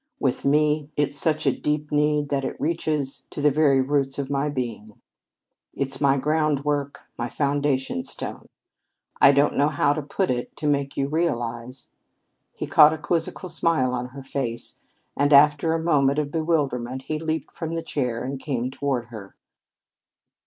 With me, it's such a deep need that it reaches to the very roots of my being. It's my groundwork, my foundation stone. I don't know how to put it to make you realize " He caught a quizzical smile on her face, and after a moment of bewilderment he leaped from his chair and came toward her.